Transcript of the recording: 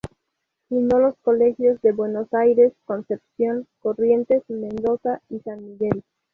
Fundó los Colegios de Buenos Aires, Concepción, Corrientes, Mendoza y San Miguel.